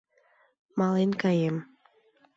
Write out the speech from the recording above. — Мален каем.